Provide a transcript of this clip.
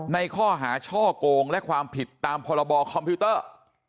ในข้อหาช่อกงและความผิดตามพรบคอมพิวเตอร์